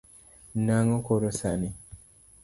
Nang’o koro sani?